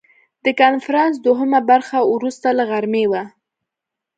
د کنفرانس دوهمه برخه وروسته له غرمې وه.